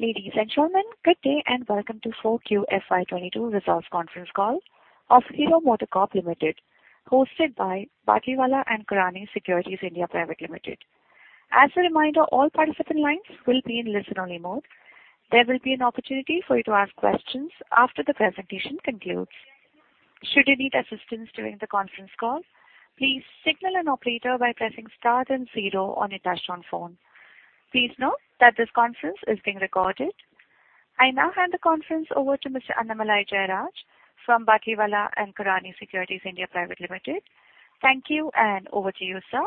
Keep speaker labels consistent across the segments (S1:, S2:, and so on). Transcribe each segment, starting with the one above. S1: Ladies and gentlemen, good day, and welcome to 4Q FY 2022 results conference call of Hero MotoCorp Limited, hosted by Batlivala & Karani Securities India Private Limited. As a reminder, all participant lines will be in listen-only mode. There will be an opportunity for you to ask questions after the presentation concludes. Should you need assistance during the conference call, please signal an operator by pressing star then zero on your touchtone phone. Please note that this conference is being recorded. I now hand the conference over to Mr. Annamalai Jayaraj from Batlivala & Karani Securities India Private Limited. Thank you, and over to you, sir.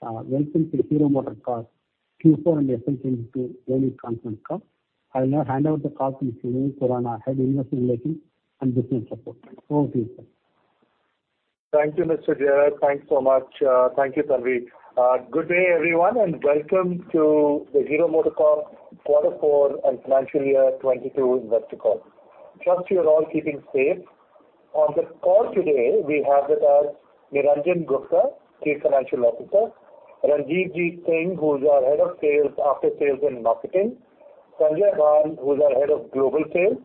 S2: Welcome to Hero MotoCorp Q4 and FY 2022 earnings conference call. I will now hand over the call to Umang Khurana, Head, Investor Relations and Business Support. Over to you, sir.
S3: Thank you, Mr. Jayaraj. Thanks so much. Thank you, Tanvi. Good day, everyone, and welcome to the Hero MotoCorp quarter 4 and financial Year 2022 investor call. Trust you're all keeping safe. On the call today we have with us Niranjan Gupta, Chief Financial Officer. Ranjivjit Singh, who is our Head of Sales, After Sales and Marketing. Sanjay Bhan, who is our Head of Global Sales.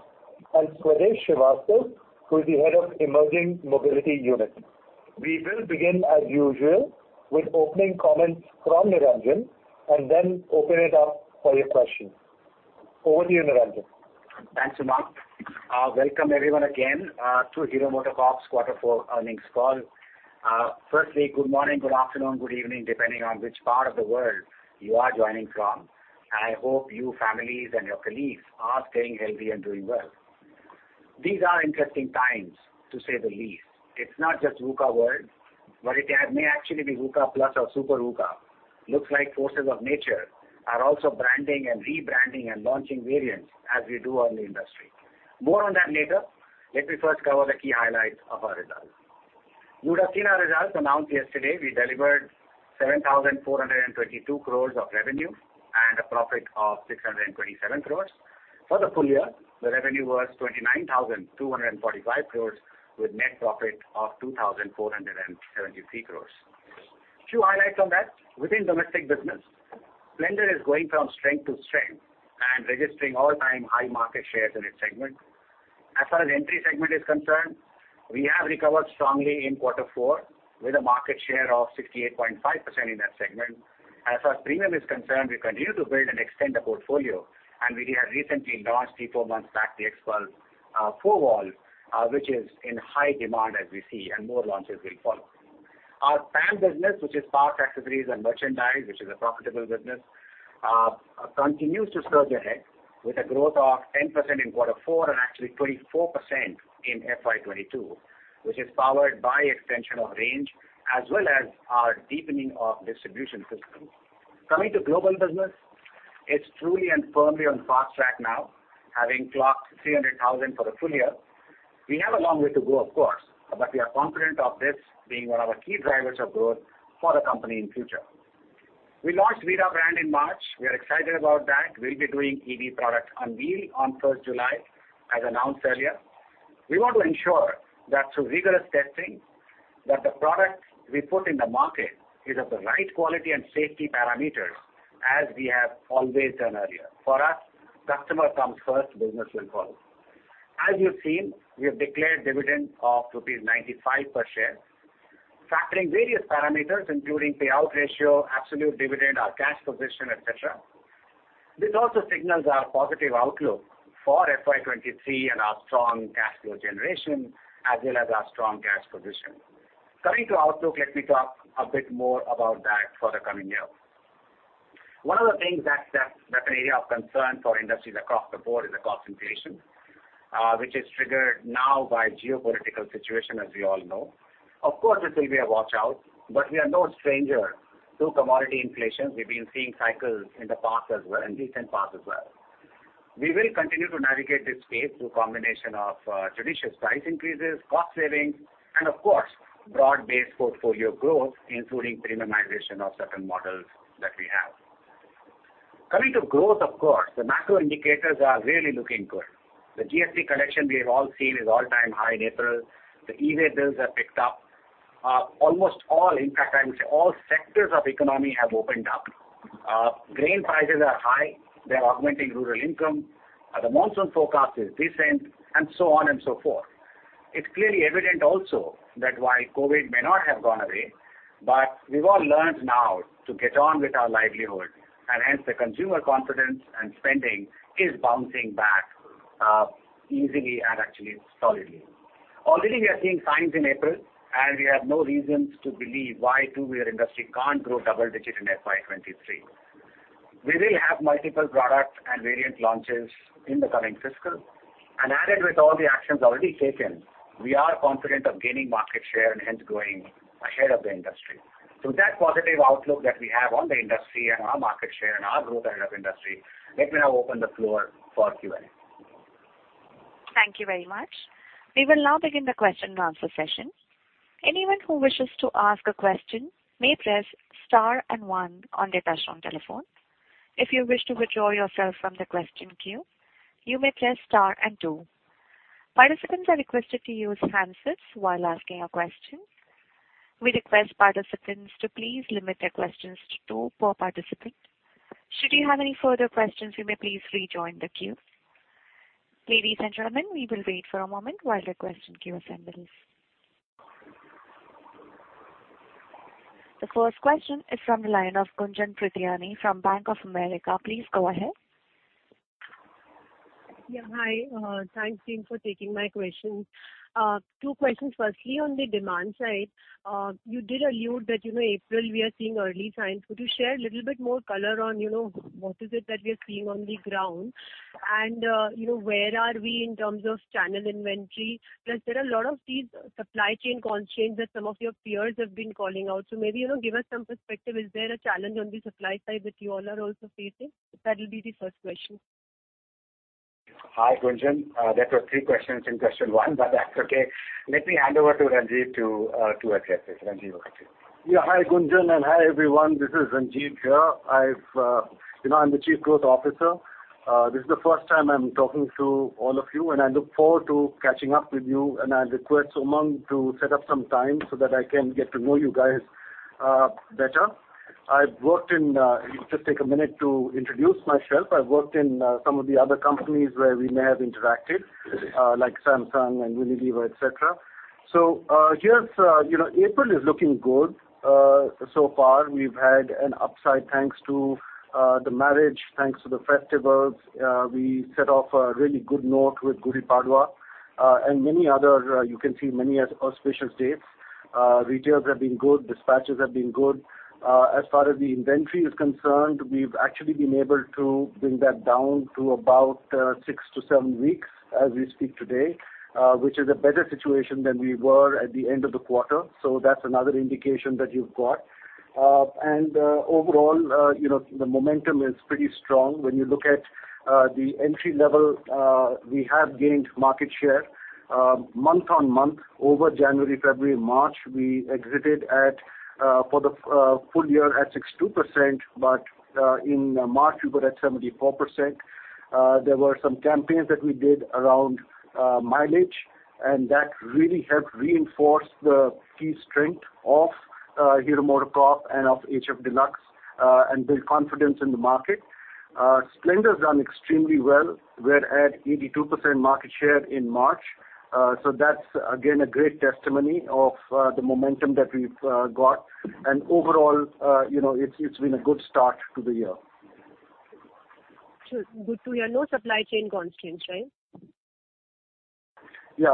S3: And Swadesh Srivastava, who is the Head of Emerging Mobility Business Unit. We will begin as usual with opening comments from Niranjan and then open it up for your questions. Over to you, Niranjan.
S4: Thanks, Umang Khurana. Welcome everyone again to Hero MotoCorp's quarter four earnings call. Firstly, good morning, good afternoon, good evening, depending on which part of the world you are joining from. I hope you, families, and your colleagues are staying healthy and doing well. These are interesting times, to say the least. It's not just VUCA world, but it may actually be VUCA plus or super VUCA. Looks like forces of nature are also branding and rebranding and launching variants as we do on the industry. More on that later. Let me first cover the key highlights of our results. You would have seen our results announced yesterday. We delivered 7,422 crore of revenue and a profit of 627 crore. For the full year, the revenue was 29,245 crore with net profit of 2,473 crore. Few highlights on that. Within domestic business, Splendor is going from strength to strength and registering all-time high market shares in its segment. As far as entry segment is concerned, we have recovered strongly in quarter four with a market share of 68.5% in that segment. As far as premium is concerned, we continue to build and extend the portfolio, and we have recently launched 3-4 months back the XPulse 4V, which is in high demand as we see, and more launches will follow. Our PAM business, which is Power Accessories and Merchandise, which is a profitable business, continues to surge ahead with a growth of 10% in quarter four and actually 24% in FY 2022, which is powered by extension of range as well as our deepening of distribution system. Coming to global business, it's truly and firmly on fast track now, having clocked 300,000 for the full year. We have a long way to go, of course, but we are confident of this being one of our key drivers of growth for the company in future. We launched VIDA brand in March. We are excited about that. We'll be doing EV product unveil on July 1, as announced earlier. We want to ensure that through rigorous testing, that the product we put in the market is of the right quality and safety parameters as we have always done earlier. For us, customer comes first, business will follow. As you've seen, we have declared dividend of rupees 95 per share. Factoring various parameters including payout ratio, absolute dividend, our cash position, et cetera, this also signals our positive outlook for FY 2023 and our strong cash flow generation as well as our strong cash position. Coming to outlook, let me talk a bit more about that for the coming year. One of the things that's an area of concern for industries across the board is the cost inflation, which is triggered now by geopolitical situation, as we all know. Of course, this will be a watch-out, but we are no stranger to commodity inflation. We've been seeing cycles in the past as well, in recent past as well. We will continue to navigate this phase through combination of judicious price increases, cost savings, and of course, broad-based portfolio growth, including premiumization of certain models that we have. Coming to growth, of course, the macro indicators are really looking good. The GST collection we have all seen is all-time high in April. The e-Way bills have picked up. Almost all, in fact, I would say all sectors of economy have opened up. Grain prices are high. They're augmenting rural income. The monsoon forecast is decent and so on and so forth. It's clearly evident also that while COVID may not have gone away, but we've all learned now to get on with our livelihood and hence the consumer confidence and spending is bouncing back easily and actually solidly. Already we are seeing signs in April, and we have no reasons to believe why two-wheeler industry can't grow double-digit in FY 2023. We will have multiple product and variant launches in the coming fiscal. Added with all the actions already taken, we are confident of gaining market share and hence growing ahead of the industry. With that positive outlook that we have on the industry and our market share and our growth ahead of industry, let me now open the floor for Q&A.
S1: Thank you very much. We will now begin the question and answer session. Anyone who wishes to ask a question may press star and one on their touchtone telephone. If you wish to withdraw yourself from the question queue, you may press star and two. Participants are requested to use handsets while asking a question. We request participants to please limit their questions to two per participant. Should you have any further questions, you may please rejoin the queue. Ladies and gentlemen, we will wait for a moment while the question queue assembles. The first question is from the line of Gunjan Prithyani from Bank of America. Please go ahead.
S5: Yeah. Hi. Thanks team for taking my questions. Two questions. Firstly, on the demand side, you did allude that, you know, April we are seeing early signs. Could you share a little bit more color on, you know, what is it that we are seeing on the ground? And, you know, where are we in terms of channel inventory? Plus there are a lot of these supply chain constraints that some of your peers have been calling out, so maybe, you know, give us some perspective. Is there a challenge on the supply side that you all are also facing? That would be the first question.
S4: Hi, Gunjan. That was three questions in question one, but that's okay. Let me hand over to Ranjivjit to address it. Ranjivjit over to you.
S6: Yeah. Hi, Gunjan Prithyani, and hi, everyone. This is Ranjivjit here. I've, you know, I'm the Chief Growth Officer. This is the first time I'm talking to all of you, and I look forward to catching up with you. I request Umang Khurana to set up some time so that I can get to know you guys, better. I've worked in... Just take a minute to introduce myself. I've worked in, some of the other companies where we may have interacted, like Samsung and Unilever, et cetera. Yes, you know, April is looking good. So far we've had an upside thanks to, the marriage, thanks to the festivals. We set off a really good note with Gudi Padwa, and many other, you can see many as auspicious dates. Retails have been good. Dispatches have been good. As far as the inventory is concerned, we've actually been able to bring that down to about 6-7 weeks as we speak today, which is a better situation than we were at the end of the quarter. That's another indication that you've got. Overall, you know, the momentum is pretty strong. When you look at the entry level, we have gained market share month-on-month over January, February and March. We exited at for the full year at 62%, but in March we were at 74%. There were some campaigns that we did around mileage, and that really helped reinforce the key strength of Hero MotoCorp and of HF Deluxe and build confidence in the market. Splendor's done extremely well. We're at 82% market share in March. That's again a great testimony of the momentum that we've got. Overall, you know, it's been a good start to the year.
S5: Sure. Good to hear. No supply chain constraints, right?
S6: You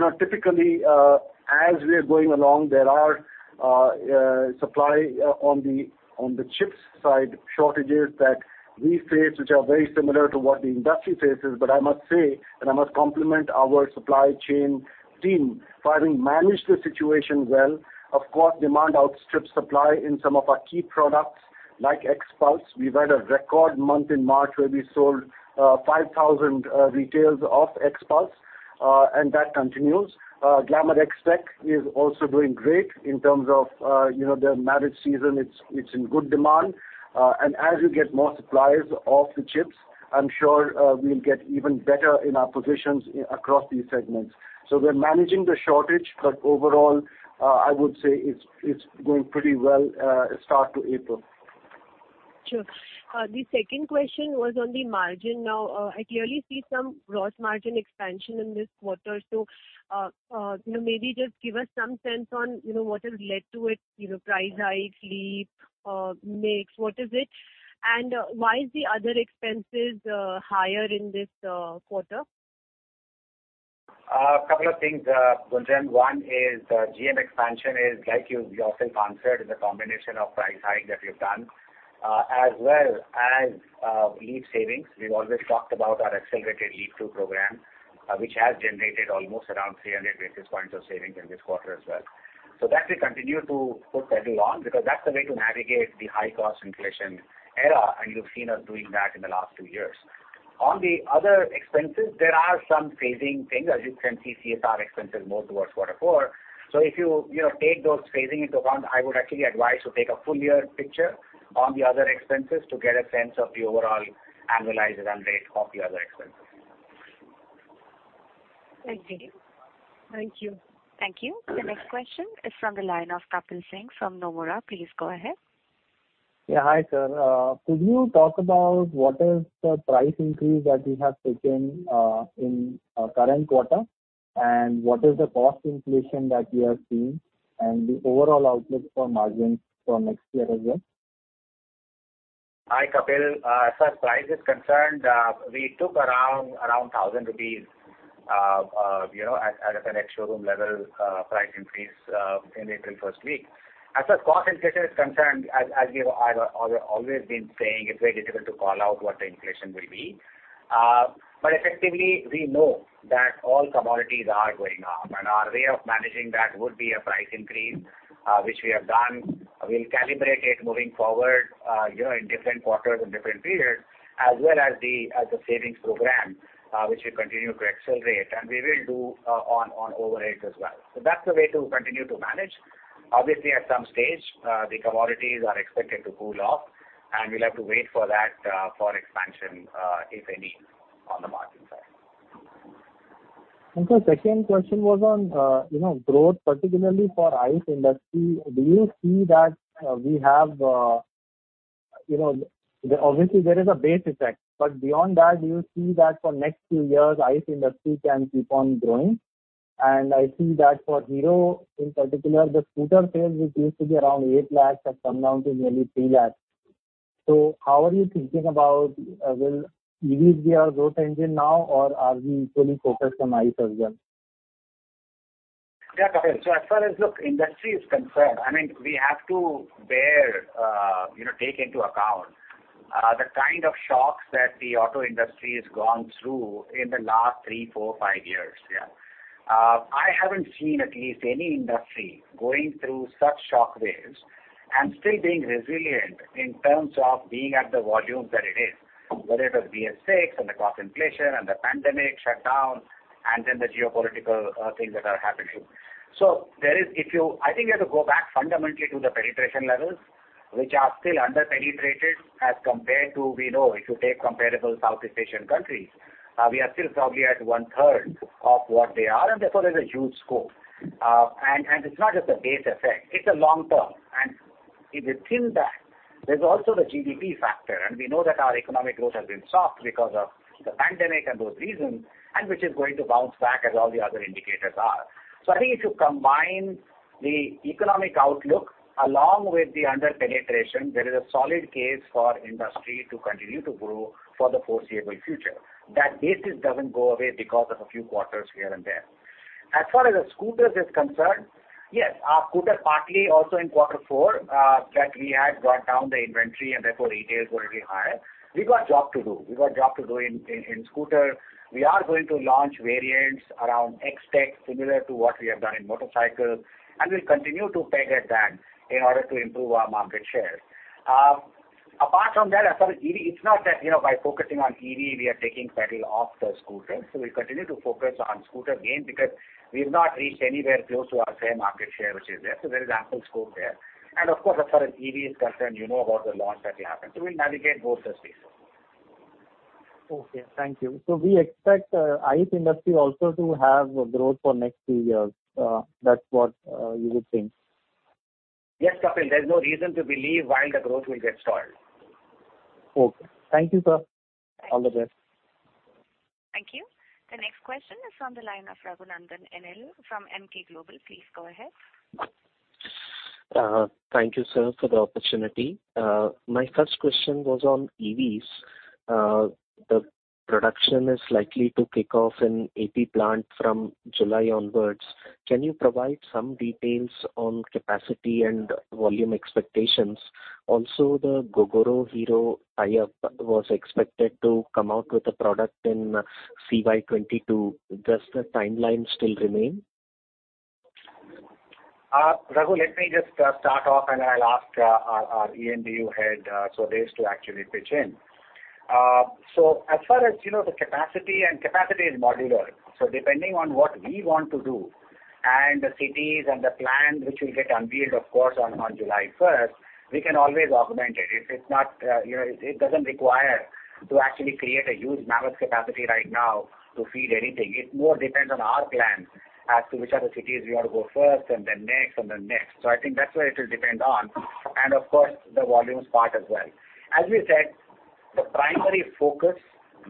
S6: know, typically, as we are going along, there are supply shortages on the chips side that we face, which are very similar to what the industry faces. I must say, I must compliment our supply chain team for having managed the situation well. Of course, demand outstrips supply in some of our key products like Xpulse. We've had a record month in March where we sold 5,000 retails of Xpulse, and that continues. Glamour XTEC is also doing great in terms of you know, the marriage season. It's in good demand. As you get more supplies of the chips, I'm sure we'll get even better in our positions across these segments. We're managing the shortage, but overall, I would say it's going pretty well, start to April.
S5: Sure. The second question was on the margin. Now, I clearly see some gross margin expansion in this quarter. You know, maybe just give us some sense on, you know, what has led to it, you know, price hike, LEAP, mix, what is it? Why is the other expenses higher in this quarter?
S4: A couple of things, Gunjan. One is, GM expansion is like you yourself answered, is a combination of price hike that we've done, as well as, LEAP savings. We've always talked about our accelerated LEAP 2 program, which has generated almost around 300 basis points of savings in this quarter as well. That we continue to put pedal on because that's the way to navigate the high cost inflation era, and you've seen us doing that in the last two years. On the other expenses, there are some phasing things. As you can see, CSR expenses more towards quarter four. If you know, take those phasing into account, I would actually advise to take a full year picture on the other expenses to get a sense of the overall annualized run rate of the other expenses.
S5: Thank you.
S1: Thank you. The next question is from the line of Kapil Singh from Nomura. Please go ahead.
S7: Yeah. Hi, sir. Could you talk about what is the price increase that you have taken in current quarter? What is the cost inflation that you have seen and the overall outlook for margins for next year as well?
S4: Hi, Kapil Singh. As far as price is concerned, we took around 1,000 rupees, you know, at an ex-showroom level, price increase, in April first week. As far as cost inflation is concerned, as we have always been saying, it's very difficult to call out what the inflation will be. Effectively, we know that all commodities are going up, and our way of managing that would be a price increase, which we have done. We'll calibrate it moving forward, you know, in different quarters and different periods as well as the savings program, which we continue to accelerate, and we will do on overheads as well. That's the way to continue to manage. Obviously, at some stage, the commodities are expected to cool off, and we'll have to wait for that, for expansion, if any, on the margin side.
S7: Second question was on, you know, growth, particularly for ICE industry. Do you see that we have, you know, obviously there is a base effect, but beyond that, do you see that for next few years, ICE industry can keep on growing? I see that for Hero in particular, the scooter sales which used to be around 8 lakh have come down to nearly 3 lakh. How are you thinking about, will EVs be our growth engine now or are we equally focused on ICE as well?
S4: Yeah, Kapil. As far as, look, industry is concerned, I mean we have to bear, you know, take into account, the kind of shocks that the auto industry has gone through in the last three, four, five years. I haven't seen at least any industry going through such shock waves and still being resilient in terms of being at the volumes that it is. Whether it was BS6 and the cost inflation and the pandemic shutdown and then the geopolitical, things that are happening. There is, if you-- I think you have to go back fundamentally to the penetration levels, which are still under-penetrated as compared to, we know if you take comparable Southeast Asian countries, we are still probably at 1/3 of what they are and therefore there's a huge scope. It's not just a base effect, it's a long term. If you think that there's also the GDP factor, and we know that our economic growth has been soft because of the pandemic and those reasons, and which is going to bounce back as all the other indicators are. I think if you combine the economic outlook along with the under-penetration, there is a solid case for industry to continue to grow for the foreseeable future. That basis doesn't go away because of a few quarters here and there. As far as the scooters is concerned, yes, our scooter partly also in quarter four, that we had brought down the inventory and therefore retail is going to be higher. We've got job to do in scooter. We are going to launch variants around XTEC, similar to what we have done in motorcycles, and we'll continue to peg at that in order to improve our market share. Apart from that, as far as EV, it's not that, you know, by focusing on EV we are taking the foot off the pedal. We continue to focus on the scooter game because we've not reached anywhere close to our fair market share which is there. There is ample scope there. Of course as far as EV is concerned, you know about the launch that will happen. We'll navigate both the spaces.
S7: Okay. Thank you. We expect ICE industry also to have growth for next few years. That's what you would think?
S4: Yes, Kapil. There's no reason to believe why the growth will get stalled.
S7: Okay. Thank you, sir. All the best.
S1: Thank you. The next question is from the line of Raghunandhan N.L. from Emkay Global. Please go ahead.
S8: Thank you sir, for the opportunity. My first question was on EVs. The production is likely to kick off in AP plant from July onwards. Can you provide some details on capacity and volume expectations? Also the Gogoro Hero tie-up was expected to come out with a product in CY 2022. Does the timeline still remain?
S4: Raghunandan, let me just start off and I'll ask our EMBU head, Swadesh Srivastava, to actually pitch in. As far as you know the capacity is modular. Depending on what we want to do and the cities and the plan which will get unveiled of course on July first, we can always augment it. It's not, you know, it doesn't require to actually create a huge mammoth capacity right now to feed anything. It more depends on our plan as to which are the cities we want to go first and then next and then next. I think that's where it'll depend on. Of course the volumes part as well. As we said, the primary focus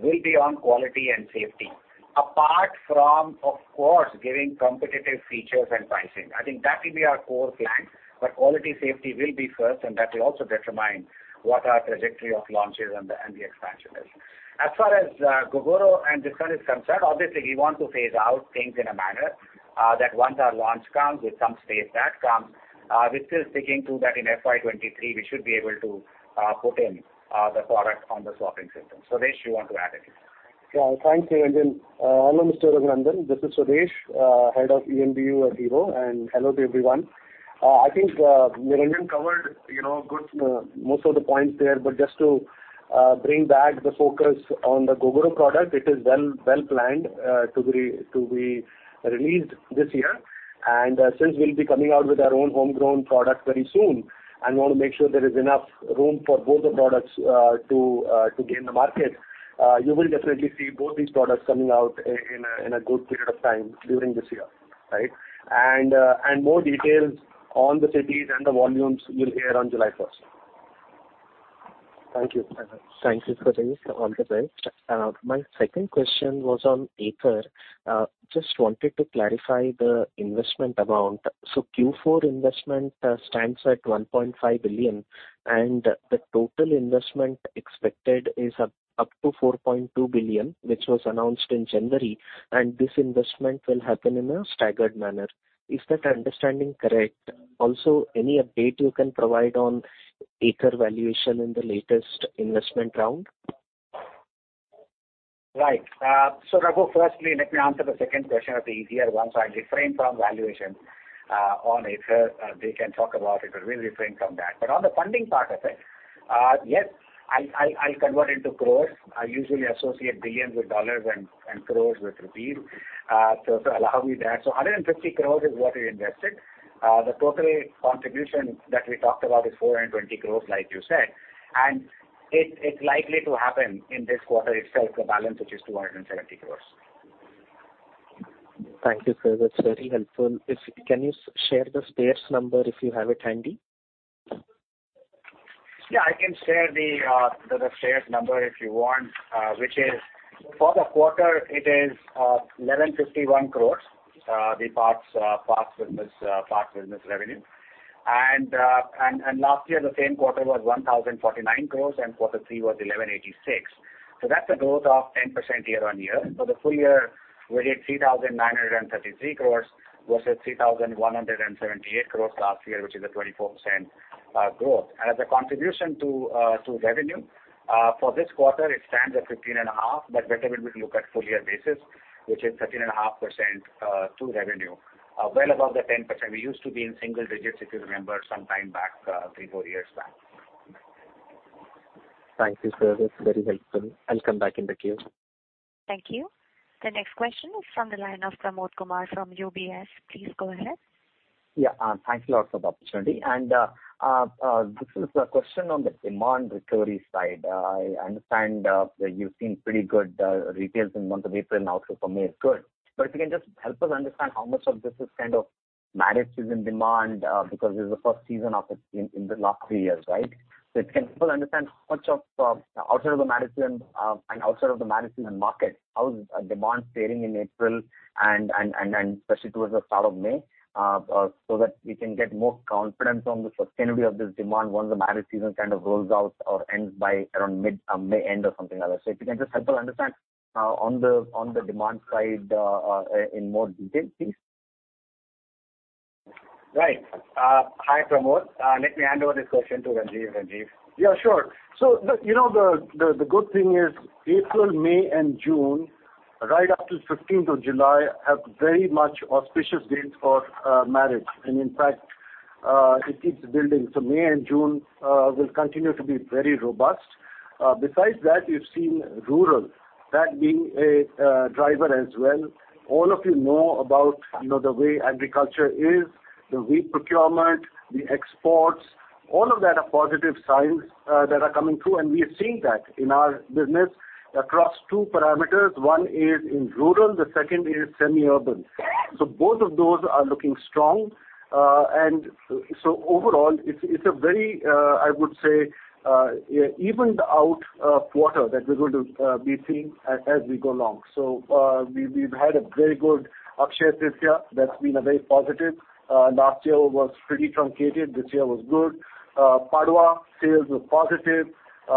S4: will be on quality and safety. Apart from of course giving competitive features and pricing. I think that will be our core plan. Quality safety will be first and that will also determine what our trajectory of launches and the expansion is. As far as Gogoro and this one is concerned, obviously we want to phase out things in a manner that once our launch comes with some space that comes, we're still sticking to that in FY 2023 we should be able to put in the product on the swapping system. Swadesh, you want to add anything?
S9: Thanks, Raghunandan N.L. Hello, Mr. Raghunandan N.L. This is Swadesh Srivastava, head of EMBU at Hero MotoCorp, and hello to everyone. I think Niranjan covered, you know, good most of the points there, but just to bring back the focus on the Gogoro product, it is well planned to be released this year. More details on the cities and the volumes you'll hear on July 1.
S8: Thank you. Thanks Swadesh. All the best. My second question was on Ather. Just wanted to clarify the investment amount. Q4 investment stands at 1.5 billion, and the total investment expected is up to 4.2 billion, which was announced in January, and this investment will happen in a staggered manner. Is that understanding correct? Also any update you can provide on Ather valuation in the latest investment round?
S4: Right. Raghu, firstly let me answer the second question, the easier one. I'll refrain from valuation on Ather. They can talk about it, but we'll refrain from that. But on the funding part of it, yes, I'll convert into crores. I usually associate billions with dollars and crores with rupee. Allow me that. 150 crores is what we invested. The total contribution that we talked about is 420 crores, like you said. It is likely to happen in this quarter itself, the balance which is 270 crores.
S8: Thank you, sir. That's very helpful. Can you share the spares number if you have it handy?
S4: Yeah, I can share the spares number if you want, which is for the quarter. It is 1,151 crore, the parts business revenue. Last year, the same quarter was 1,049 crore, and quarter three was 1,186 crore. That's a growth of 10% year-on-year. For the full year, we're at 3,933 crore versus 3,178 crore last year, which is a 24% growth. As a contribution to revenue, for this quarter, it stands at 15.5%, but better when we look at full-year basis, which is 13.5% to revenue, well above the 10%. We used to be in single digits, if you remember, some time back, three, four years back.
S8: Thank you, sir. That's very helpful. I'll come back in the queue.
S1: Thank you. The next question is from the line of Pramod Kumar from UBS. Please go ahead.
S10: Yeah, thanks a lot for the opportunity. This is a question on the demand recovery side. I understand that you've seen pretty good retails in the month of April and outlook for May is good. If you can just help us understand how much of this is kind of marriage season demand, because this is the first season of it in the last three years, right? If you can help us understand how much of outside of the marriage season and outside of the marriage season market, how is demand faring in April and especially towards the start of May, so that we can get more confidence on the sustainability of this demand once the marriage season kind of rolls out or ends by around mid May end or something like that. If you can just help us understand on the demand side in more detail, please.
S4: Right. Hi, Pramod. Let me hand over this question to Ranjivijit. Ranjivijit.
S6: Yeah, sure. So the, you know, the good thing is April, May and June, right up to July 15, have very much auspicious dates for marriage. In fact, it keeps building. May and June will continue to be very robust. Besides that, you've seen rural, that being a driver as well. All of you know about, you know, the way agriculture is, the wheat procurement, the exports, all of that are positive signs that are coming through, and we are seeing that in our business across two parameters. One is in rural, the second is semi-urban. Both of those are looking strong. Overall, it's a very, I would say, evened out quarter that we're going to be seeing as we go along. We've had a very good Akshaya Tritiya. That's been a very positive. Last year was pretty truncated. This year was good. Gudi Padwa sales were positive. We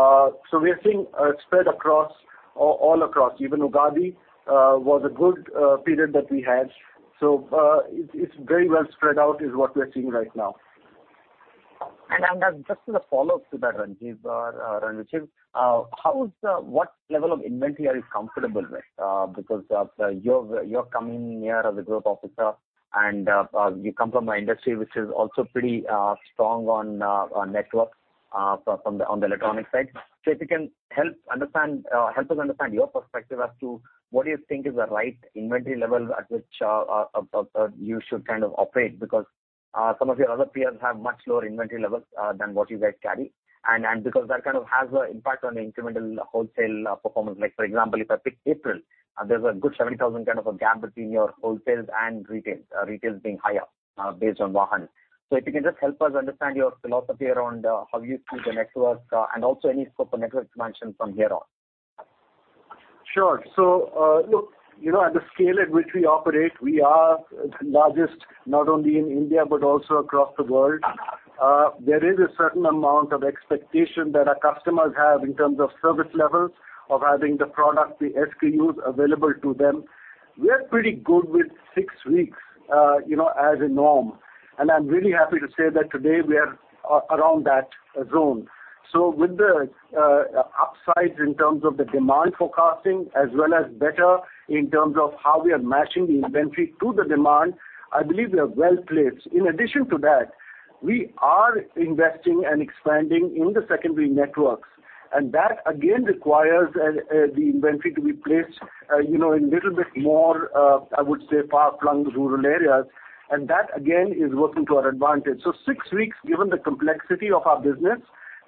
S6: are seeing a spread across all across. Even Ugadi was a good period that we had. It's very well spread out is what we are seeing right now.
S10: Just as a follow-up to that, Ranjivjit, what level of inventory are you comfortable with? Because you're coming in here as a growth officer and you come from an industry which is also pretty strong on inventory, so from the electronics side. If you can help us understand your perspective as to what you think is the right inventory level at which you should kind of operate because some of your other peers have much lower inventory levels than what you guys carry, and because that kind of has an impact on the incremental wholesale performance. Like for example, if I pick April, there's a good 70,000 kind of a gap between your wholesales and retails being higher, based on Vahan. If you can just help us understand your philosophy around how you see the networks, and also any scope of network expansion from here on.
S6: Sure. Look, you know, at the scale at which we operate, we are the largest, not only in India, but also across the world. There is a certain amount of expectation that our customers have in terms of service levels, of having the product, the SKUs available to them. We are pretty good with 6 weeks, you know, as a norm. I'm really happy to say that today we are around that zone. With the upsides in terms of the demand forecasting as well as better in terms of how we are matching the inventory to the demand, I believe we are well placed. In addition to that, we are investing and expanding in the secondary networks, and that, again, requires the inventory to be placed, you know, in little bit more, I would say, far-flung rural areas, and that again is working to our advantage. Six weeks, given the complexity of our business,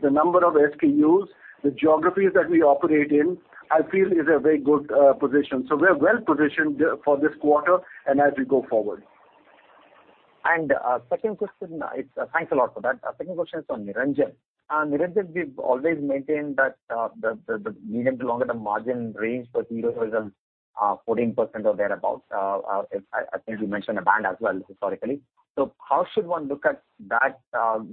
S6: the number of SKUs, the geographies that we operate in, I feel is a very good position. We are well positioned for this quarter and as we go forward.
S10: Thanks a lot for that. Second question is for Niranjan. Niranjan, we've always maintained that the medium to longer term margin range for Hero is 14% or thereabout. I think you mentioned a band as well historically. How should one look at that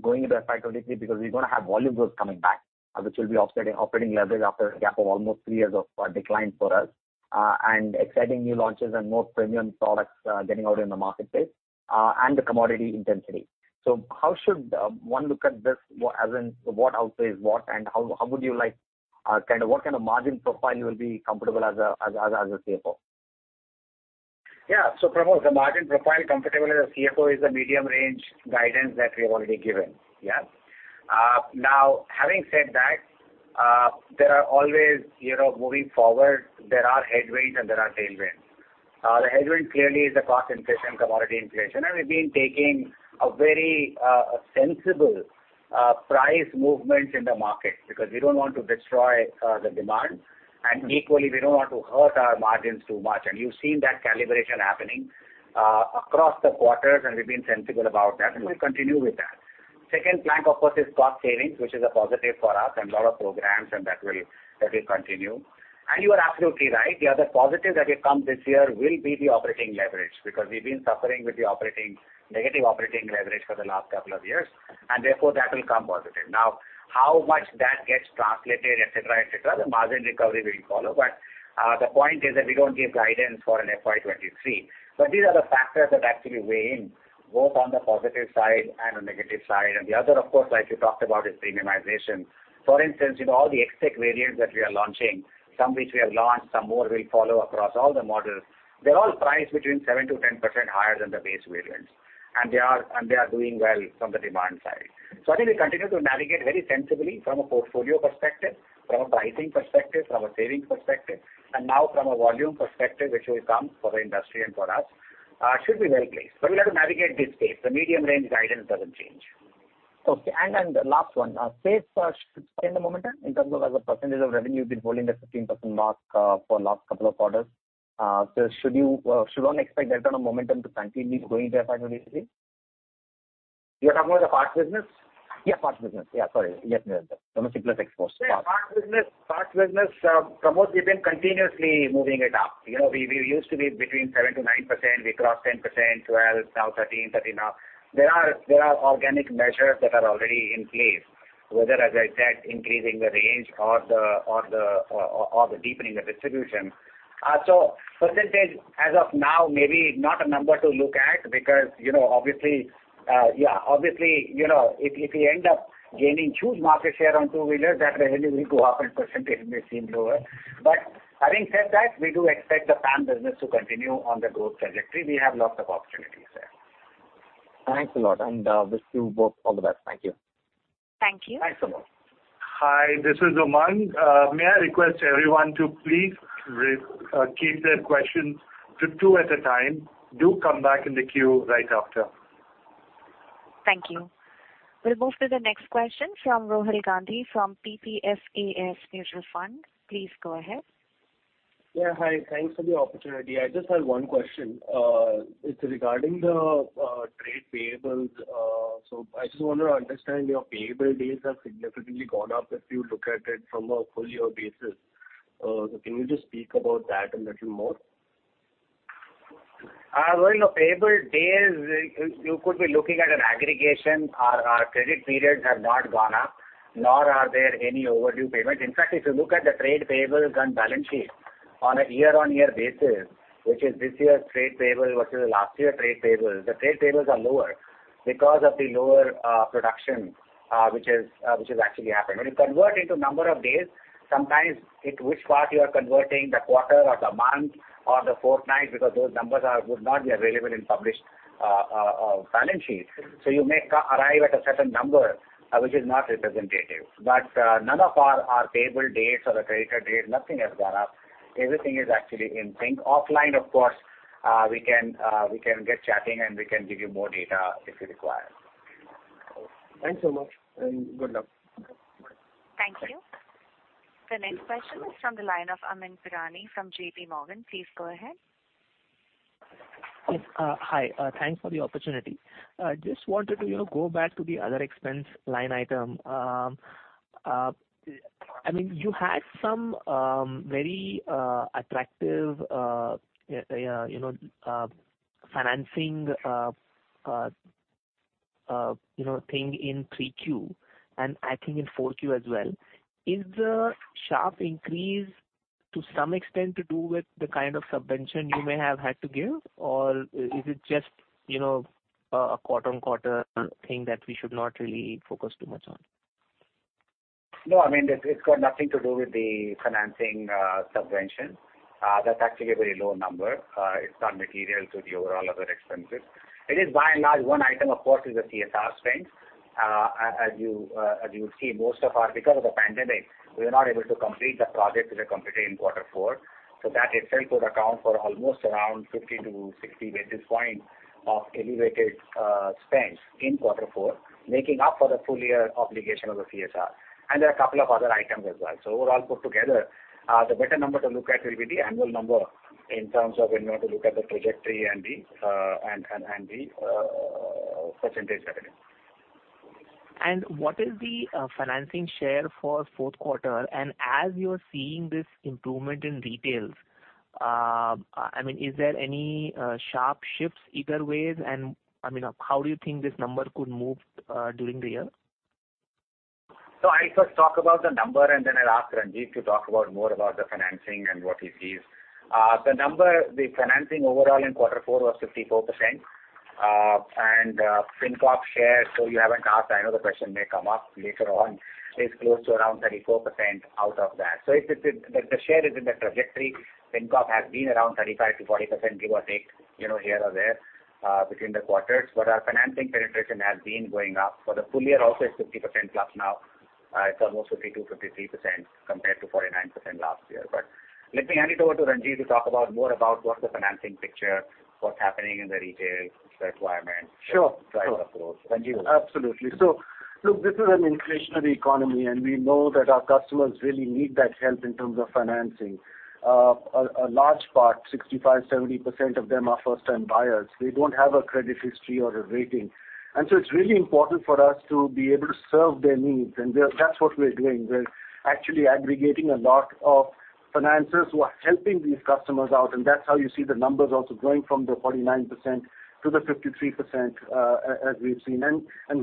S10: going into FY 2023? Because we're gonna have volume growth coming back, which will be offsetting operating leverage after a gap of almost three years of decline for us, and exciting new launches and more premium products getting out in the marketplace, and the commodity intensity. How should one look at this, as in what outweighs what, and how would you like what kind of margin profile you will be comfortable as a CFO?
S4: Yeah. Pramod, the margin profile, comfortable as a CFO, is the medium range guidance that we have already given. Yeah. Now, having said that, there are always, you know, moving forward, there are headwinds and there are tailwinds. The headwind clearly is the cost inflation, commodity inflation, and we've been taking a very sensible price movements in the market because we don't want to destroy the demand and equally we don't want to hurt our margins too much. You've seen that calibration happening across the quarters, and we've been sensible about that, and we'll continue with that. Second plank, of course, is cost savings, which is a positive for us and a lot of programs, and that will continue. You are absolutely right. The other positive that will come this year will be the operating leverage, because we've been suffering with the negative operating leverage for the last couple of years, and therefore that will come positive. Now, how much that gets translated, et cetera, et cetera, the margin recovery will follow. The point is that we don't give guidance for an FY 2023. These are the factors that actually weigh in both on the positive side and the negative side. The other, of course, like you talked about, is premiumization. For instance, in all the XTEC variants that we are launching, some which we have launched, some more will follow across all the models. They're all priced between 7%-10% higher than the base variants, and they are doing well from the demand side. I think we continue to navigate very sensibly from a portfolio perspective, from a pricing perspective, from a savings perspective, and now from a volume perspective, which will come for the industry and for us, should be well-placed. We'll have to navigate this space. The medium range guidance doesn't change.
S10: Okay. The last one. Spares should sustain the momentum in terms of as a percentage of revenue been holding the 15% mark for last couple of quarters. So should one expect that kind of momentum to continue going to FY 2023?
S4: You're talking about the parts business?
S10: Yeah, parts business. Yeah, sorry.
S4: Yes.
S10: Domestic plus exports.
S4: Yeah, parts business, Pramod, we've been continuously moving it up. You know, we used to be between 7%-9%. We crossed 10%, 12%, now 13.5%. There are organic measures that are already in place, whether, as I said, increasing the range or deepening the distribution. So percentage as of now, maybe not a number to look at because, you know, obviously, you know, if we end up gaining huge market share on two-wheeler, that revenue will go up and percentage may seem lower. Having said that, we do expect the PAM business to continue on the growth trajectory. We have lots of opportunities there.
S10: Thanks a lot. Wish you both all the best. Thank you.
S1: Thank you.
S4: Thanks a lot.
S3: Hi, this is Umang. May I request everyone to please keep their questions to two at a time. Do come back in the queue right after.
S1: Thank you. We'll move to the next question from Rohil Gandhi from PPFAS Mutual Fund. Please go ahead.
S11: Yeah, hi. Thanks for the opportunity. I just had one question. It's regarding the trade payables. I just wanna understand your payable days have significantly gone up if you look at it from a full year basis. Can you just speak about that a little more?
S4: Well, you know, payable days, you could be looking at an aggregation. Our credit periods have not gone up, nor are there any overdue payments. In fact, if you look at the trade payables and balance sheet on a year-on-year basis, which is this year's trade payable versus last year trade payable, the trade payables are lower because of the lower production, which has actually happened. When you convert into number of days, sometimes it which part you are converting the quarter or the month or the fortnight because those numbers would not be available in published balance sheets. You may arrive at a certain number, which is not representative. None of our payable days or the credit days, nothing has gone up. Everything is actually in sync. Offline, of course, we can get chatting, and we can give you more data if you require.
S11: Thanks so much and good luck.
S1: Thank you. The next question is from the line of Amyn Pirani from JPMorgan. Please go ahead.
S12: Yes, hi. Thanks for the opportunity. I just wanted to, you know, go back to the other expense line item. I mean, you had some very attractive, you know, thing in 3Q and I think in 4Q as well. Is the sharp increase to some extent to do with the kind of subvention you may have had to give or is it just, you know, a quarter-over-quarter thing that we should not really focus too much on?
S4: No, I mean, it's got nothing to do with the financing subvention. That's actually a very low number. It's not material to the overall other expenses. It is by and large one item, of course, is the CSR spend. As you see, most of our, because of the pandemic, we were not able to complete the projects we had completed in quarter four. That itself would account for almost around 50 basis points-60 basis points of elevated spends in quarter four, making up for the full year obligation of the CSR. There are a couple of other items as well. Overall put together, the better number to look at will be the annual number in terms of when you want to look at the trajectory and the percentage happening.
S12: What is the financing share for fourth quarter? As you're seeing this improvement in retails, I mean, is there any sharp shifts either ways? I mean, how do you think this number could move during the year?
S4: I first talk about the number and then I'll ask Ranjivjit to talk about more about the financing and what he sees. The number, the financing overall in quarter four was 54%. Fincov share, you haven't asked, I know the question may come up later on, is close to around 34% out of that. It's the share is in the trajectory. Fincov has been around 35%-40% give or take, you know, here or there, between the quarters. Our financing penetration has been going up. For the full year also it's 50%+ now. It's almost 50%-53% compared to 49% last year. Let me hand it over to Ranjivjit to talk about more about what's the financing picture, what's happening in the retail requirements.
S6: Sure.
S4: To drive approach. Ranjivjit?
S6: Absolutely. Look, this is an inflationary economy, and we know that our customers really need that help in terms of financing. A large part, 65%-70% of them are first-time buyers. They don't have a credit history or a rating. It's really important for us to be able to serve their needs. We are. That's what we're doing. We're actually aggregating a lot of financers who are helping these customers out, and that's how you see the numbers also growing from the 49% to the 53%, as we've seen.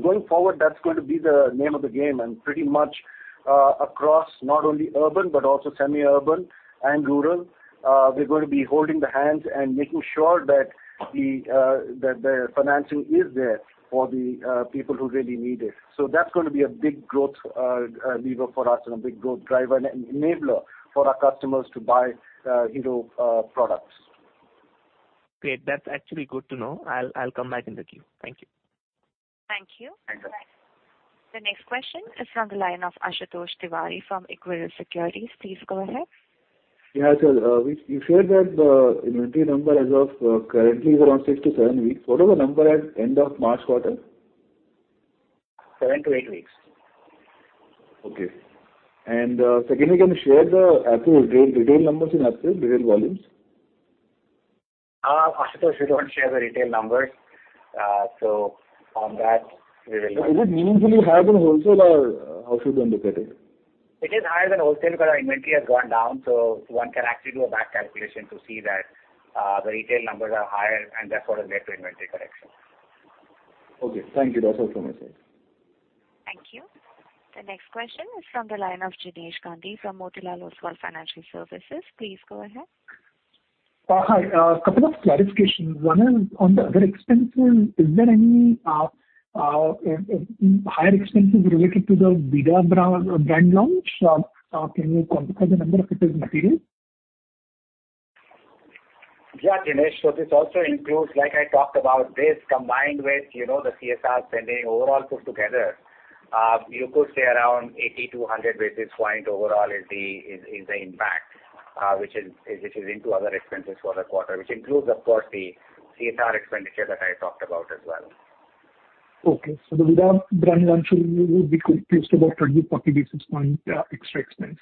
S6: Going forward, that's going to be the name of the game. Pretty much, across not only urban but also semi-urban and rural, we're gonna be holding the hands and making sure that the financing is there for the people who really need it. That's gonna be a big growth lever for us and a big growth driver and enabler for our customers to buy Hero products.
S4: Great. That's actually good to know. I'll come back in the queue. Thank you.
S12: Thank you.
S4: Thank you.
S1: The next question is from the line of Ashutosh Tiwari from Equirus Securities. Please go ahead.
S13: Yeah, sure. You shared that the inventory number as of currently is around 6-7 weeks. What was the number at end of March quarter?
S4: 7-8 weeks.
S13: Okay. Secondly, can you share the actual retail numbers in actual retail volumes?
S4: Ashutosh, we don't share the retail numbers. On that we will
S13: Is it meaningfully higher than wholesale or how should one look at it?
S4: It is higher than wholesale because our inventory has gone down, so one can actually do a back calculation to see that, the retail numbers are higher and therefore has led to inventory correction.
S13: Okay. Thank you. That's all from my side.
S1: Thank you. The next question is from the line of Jinesh Gandhi from Motilal Oswal Financial Services. Please go ahead.
S14: Hi. A couple of clarifications. One is on the other expenses. Is there any higher expenses related to the VIDA brand launch? Can you quantify the number if it is material?
S4: Jinesh. This also includes, like I talked about, this combined with, you know, the CSR spending overall put together, you could say around 80 basis points-100 basis point overall is the impact, which is into other expenses for the quarter, which includes of course the CSR expenditure that I talked about as well.
S14: Okay. The VIDA brand launch will be close to about 20 basis points-40 basis points extra expense.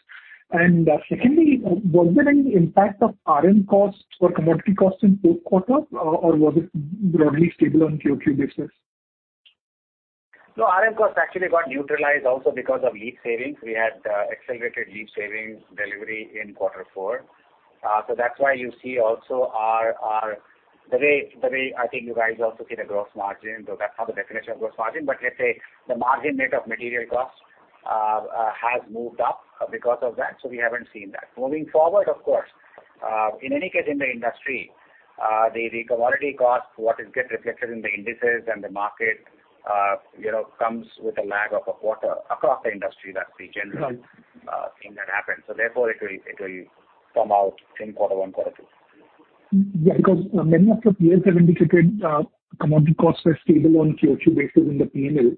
S14: Secondly, was there any impact of RM costs or commodity costs in fourth quarter or was it broadly stable on quarter-over-quarter basis?
S4: No, RM costs actually got neutralized also because of lease savings. We had accelerated lease savings delivery in quarter four. That's why you see also our. The way I think you guys also see the gross margin. That's how the definition of gross margin. Let's say the margin net of material costs has moved up because of that, so we haven't seen that. Moving forward, of course, in any case in the industry, the commodity cost, what gets reflected in the indices and the market, you know, comes with a lag of a quarter across the industry. That's the general.
S14: Right.
S4: Thing that happens. Therefore it will come out in quarter one, quarter two.
S14: Yeah, because many of the peers have indicated, commodity costs were stable on QOQ basis in the P&L.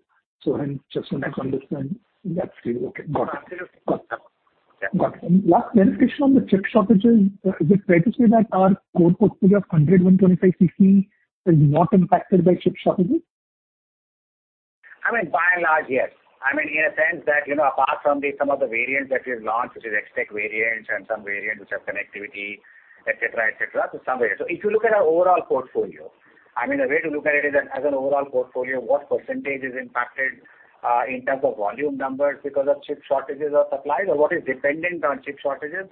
S14: Just want to understand that's still okay. Got it.
S4: Yeah.
S14: Got it. Last clarification on the chip shortages. Is it fair to say that our core portfolio of 100, 125 cc is not impacted by chip shortages?
S4: I mean, by and large, yes. I mean, in a sense that, you know, apart from some of the variants that we've launched, which is XTEC variants and some variants which have connectivity, et cetera, et cetera. Some variants. If you look at our overall portfolio, I mean, the way to look at it is as an overall portfolio, what percentage is impacted in terms of volume numbers because of chip shortages or supplies or what is dependent on chip shortages,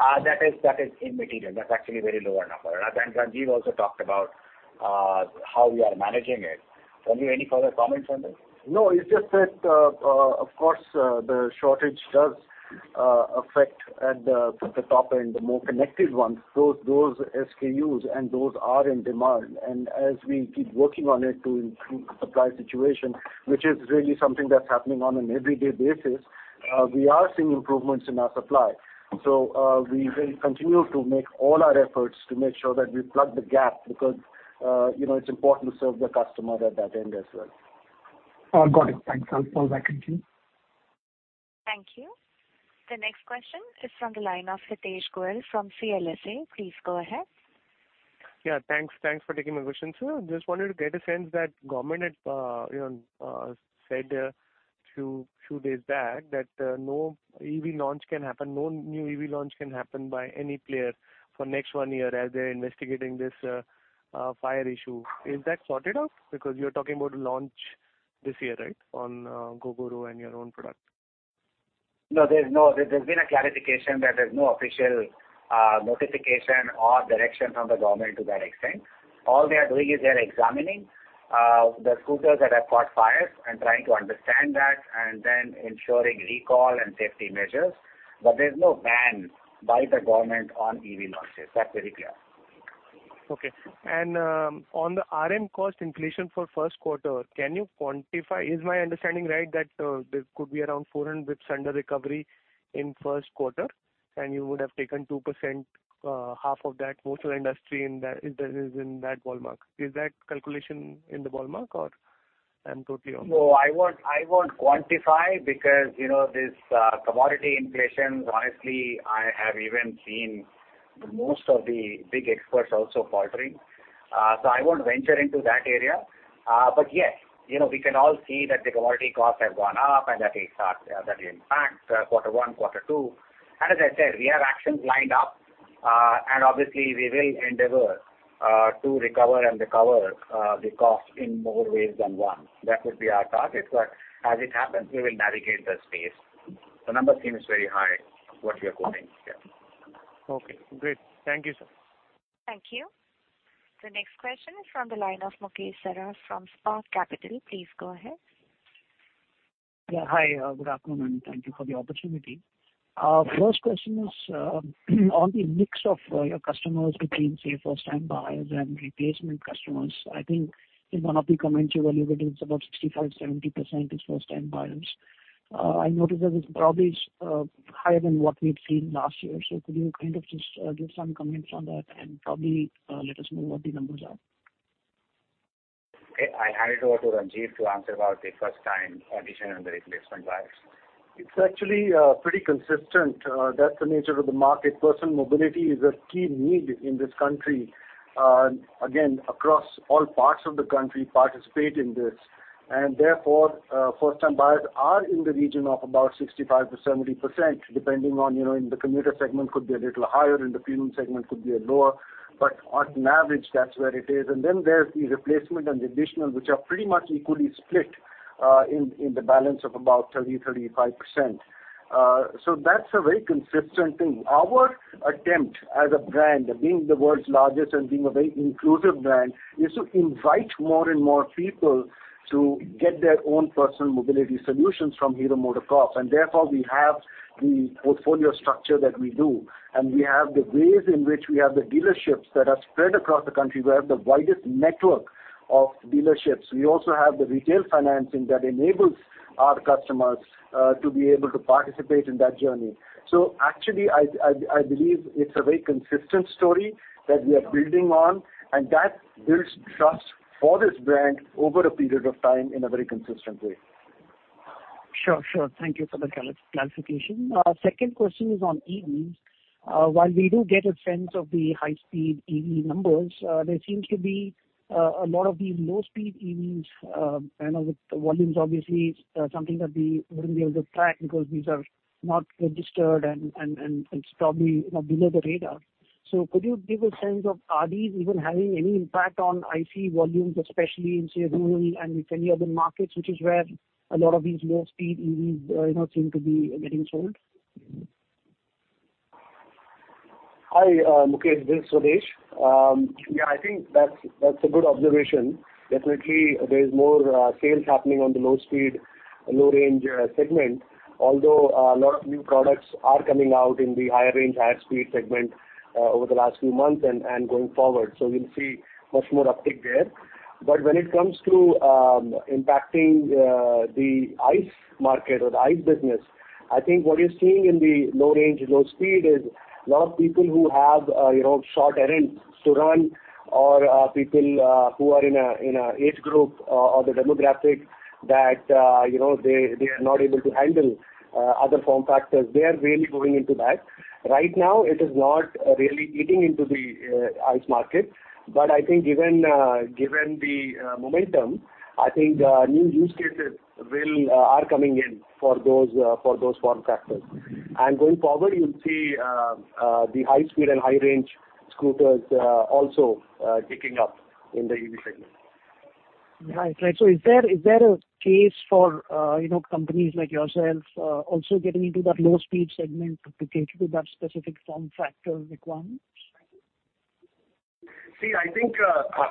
S4: that is immaterial. That's actually a very low number. Ranjivjit also talked about how we are managing it. Ranjivjit, any further comments on this?
S6: No, it's just that, of course, the shortage does affect the top end, the more connected ones. Those SKUs and those are in demand. As we keep working on it to improve the supply situation, which is really something that's happening on an every day basis, we are seeing improvements in our supply. We will continue to make all our efforts to make sure that we plug the gap because, you know, it's important to serve the customer at that end as well.
S14: Got it. Thanks. I'll fall back in queue.
S1: Thank you. The next question is from the line of Hitesh Goel from CLSA. Please go ahead.
S15: Yeah, thanks. Thanks for taking my question, sir. Just wanted to get a sense that government had, you know, said a few days back that no EV launch can happen, no new EV launch can happen by any player for next one year as they're investigating this fire issue. Is that sorted out? Because you're talking about launch this year, right, on Gogoro and your own product.
S4: No, there's been a clarification that there's no official notification or direction from the government to that extent. All they are doing is examining the scooters that have caught fire and trying to understand that and then ensuring recall and safety measures. There's no ban by the government on EV launches. That's very clear.
S16: On the RM cost inflation for first quarter, can you quantify? Is my understanding right that there could be around 400 basis points under recovery in first quarter? You would have taken 2%, half of that. Most of the industry in that is in that ballpark. Is that calculation in the ballpark or I'm totally off?
S4: No, I won't quantify because, you know, this commodity inflation, honestly, I have even seen most of the big experts also faltering. I won't venture into that area. Yes, you know, we can all see that the commodity costs have gone up and that will impact quarter one, quarter two. As I said, we have actions lined up. Obviously we will endeavor to recover the cost in more ways than one. That would be our target. As it happens, we will navigate the space. The number seems very high, what you're quoting, yeah.
S16: Okay, great. Thank you, sir.
S1: Thank you. The next question is from the line of Mukesh Saraf from Spark Capital. Please go ahead.
S17: Yeah, hi, good afternoon, and thank you for the opportunity. First question is on the mix of your customers between, say, first time buyers and replacement customers. I think in one of the comments you alluded it's about 65%-70% is first time buyers. I noticed that it's probably higher than what we've seen last year. Could you kind of just give some comments on that and probably let us know what the numbers are?
S4: Okay, I hand it over to Ranjivjit to answer about the first time addition and the replacement buyers.
S6: It's actually pretty consistent. That's the nature of the market. Personal mobility is a key need in this country. Again, across all parts of the country participate in this. First time buyers are in the region of about 65%-70%, depending on, you know, in the commuter segment could be a little higher, in the premium segment could be lower. On average, that's where it is. There's the replacement and the additional which are pretty much equally split, in the balance of about 30%-35%. That's a very consistent thing. Our attempt as a brand, being the world's largest and being a very inclusive brand, is to invite more and more people to get their own personal mobility solutions from Hero MotoCorp. We have the portfolio structure that we do. We have the ways in which we have the dealerships that are spread across the country. We have the widest network of dealerships. We also have the retail financing that enables our customers to be able to participate in that journey. Actually I believe it's a very consistent story that we are building on and that builds trust for this brand over a period of time in a very consistent way.
S17: Sure, sure. Thank you for the clarification. Second question is on EVs. While we do get a sense of the high speed EV numbers, there seems to be a lot of these low speed EVs, you know, with the volumes obviously something that we wouldn't be able to track because these are not registered and it's probably, you know, below the radar. Could you give a sense of are these even having any impact on ICE volumes, especially in, say, rural and with any other markets which is where a lot of these low speed EVs, you know, seem to be getting sold?
S9: Hi, Mukesh. This is Swadesh. I think that's a good observation. Definitely there is more sales happening on the low speed, low range segment. Although a lot of new products are coming out in the higher range, higher speed segment over the last few months and going forward. We'll see much more uptick there. When it comes to impacting the ICE market or the ICE business, I think what you're seeing in the low range and low speed is a lot of people who have you know, short errands to run or people who are in an age group or the demographic that you know, they are not able to handle other form factors. They are really going into that. Right now it is not really eating into the ICE market. I think given the momentum, I think new use cases are coming in for those form factors. Going forward, you'll see the high speed and high range scooters also picking up in the EV segment.
S17: Right. Is there a case for, you know, companies like yourself also getting into that low speed segment to cater to that specific form factor requirements?
S9: See, I think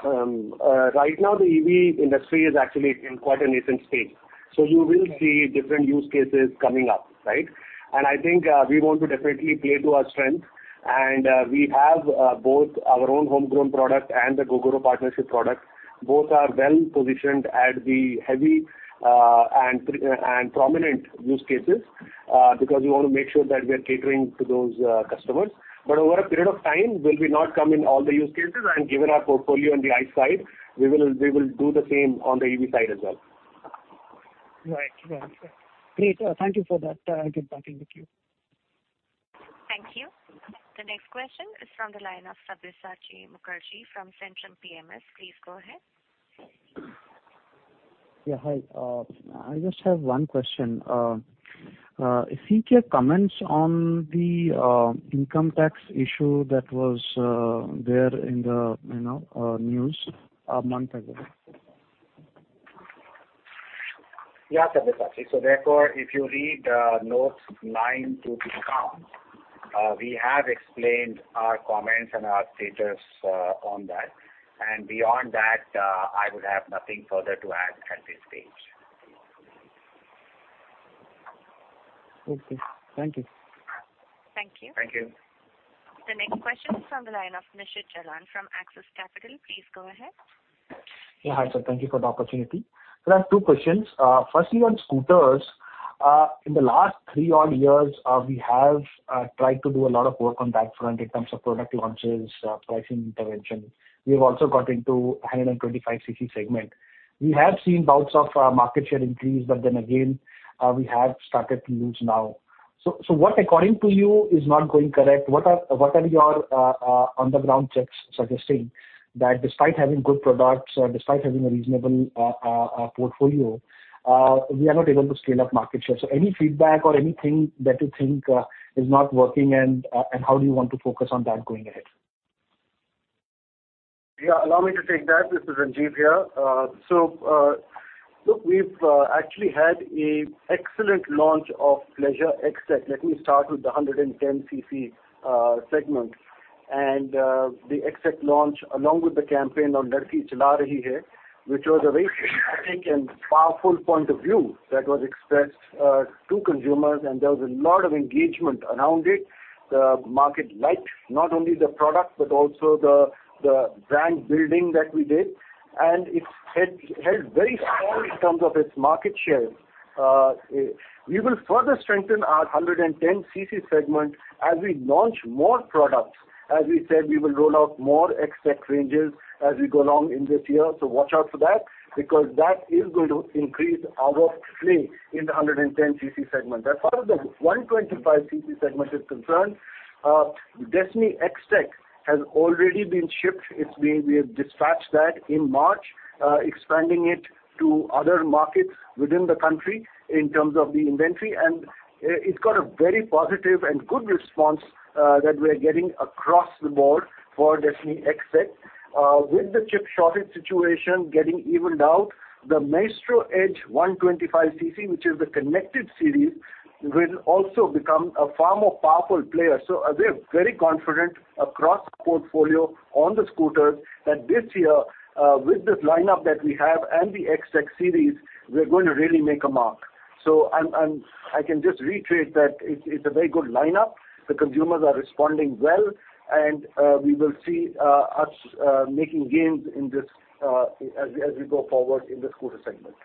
S9: right now the EV industry is actually in quite a nascent stage. You will see different use cases coming up, right? I think we want to definitely play to our strength. We have both our own homegrown product and the Gogoro partnership product. Both are well positioned at the heavy and prominent use cases, because we wanna make sure that we are catering to those customers. Over a period of time, will we not come in all the use cases? Given our portfolio on the ICE side, we will do the same on the EV side as well.
S17: Right. Right. Great. Thank you for that. I'll get back in the queue.
S1: Thank you. The next question is from the line of Sabyasachi Mukherjee from Centrum PMS. Please go ahead.
S18: Yeah, hi. I just have one question. If you can comment on the income tax issue that was there in the, you know, news a month ago?
S4: Yeah, Sabyasachi. Therefore, if you read notes 9 to 10, we have explained our comments and our status on that. Beyond that, I would have nothing further to add at this stage.
S18: Okay. Thank you.
S1: Thank you.
S4: Thank you.
S1: The next question is from the line of Nishit Jalan from Axis Capital. Please go ahead.
S19: Yeah, hi, sir. Thank you for the opportunity. I have two questions. Firstly, on scooters. In the last three odd years, we have tried to do a lot of work on that front in terms of product launches, pricing intervention. We have also got into a 125 cc segment. We have seen bouts of market share increase, but then again, we have started to lose now. What according to you is not going correct? What are your on-the-ground checks suggesting that despite having good products or despite having a reasonable portfolio, we are not able to scale up market share? Any feedback or anything that you think is not working and how do you want to focus on that going ahead?
S6: Yeah, allow me to take that. This is Ranjivjit here. So, look, we've actually had an excellent launch of Pleasure Plus XTEC. Let me start with the 110 cc segment and the XTEC launch, along with the campaign on Ladki Chala Rahi Hai, which was a very dramatic and powerful point of view that was expressed to consumers, and there was a lot of engagement around it. The market liked not only the product but also the brand building that we did. It's held very strong in terms of its market share. We will further strengthen our 110 cc segment as we launch more products. As we said, we will roll out more XTEC ranges as we go along in this year, so watch out for that, because that is going to increase our play in the 110 cc segment. As far as the 125 cc segment is concerned, Destini XTEC has already been shipped. We have dispatched that in March, expanding it to other markets within the country in terms of the inventory. It's got a very positive and good response that we are getting across the board for Destini XTEC. With the chip shortage situation getting evened out, the Maestro Edge 125 cc, which is the connected series, will also become a far more powerful player. We're very confident across the portfolio on the scooters that this year with this lineup that we have and the XTEC series, we're going to really make a mark. I can just reiterate that it's a very good lineup. The consumers are responding well and we will see us making gains in this as we go forward in the scooter segment.